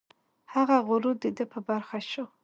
هغه غرور د ده په برخه شو.